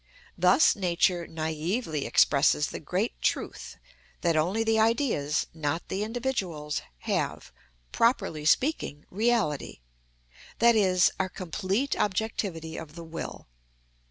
Thus Nature naïvely expresses the great truth that only the Ideas, not the individuals, have, properly speaking, reality, i.e., are complete objectivity of the will.